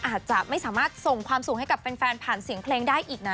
อาจจะไม่สามารถส่งความสุขให้กับแฟนผ่านเสียงเพลงได้อีกนะ